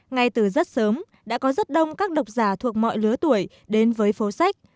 ngay từ rất sớm đã có rất đông các độc giả thuộc mọi lứa tuổi đến với phố sách